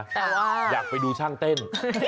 แต่ว่าอยากไปดูช่างเต้น